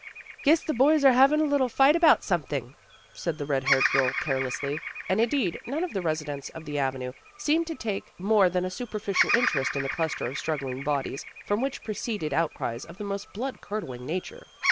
" Guess the boys are havin' a little fight about something," said the red haired girl carelessly, and indeed none of the residents of the avenue seemed to take more than a superficial interest in the cluster of struggling bodies, from which proceeded outcries of the most blood curdling nature.